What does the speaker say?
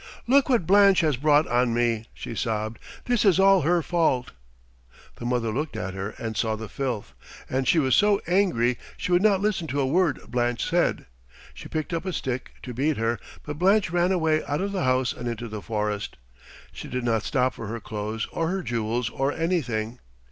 "Look what Blanche has brought on me," she sobbed. "This is all her fault." The mother looked at her and saw the filth, and she was so angry she would not listen to a word Blanche said. She picked up a stick to beat her, but Blanche ran away out of the house and into the forest. She did not stop for her clothes or her jewels or anything.